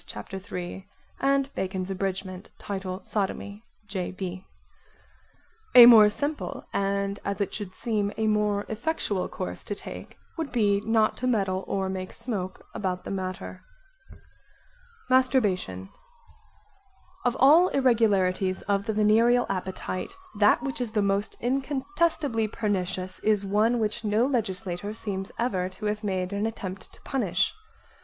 Bacon's Abridg. Title Sodomy. J.B.) A more simple and as it should seem a more effectual course to take would be not to meddle or make smoke [?] about the matter. Masturbation Of all irregularities of the venereal appetite, that which is the most incontestably pernicious is one which no legislator seems ever to have made an attempt to punish.